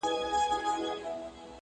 نه معلوم یې چاته لوری نه یې څرک سو؛